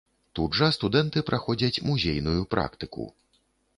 Тут жа студэнты праходзяць музейную практыку.